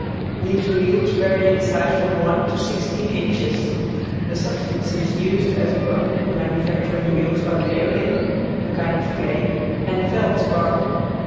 These wheels vary in size from one to sixteen inches. The substances used as a bond in manufacturing wheels are kaolin, a kind of clay, and feldspar.